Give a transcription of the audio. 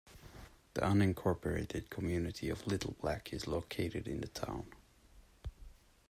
The unincorporated community of Little Black is located in the town.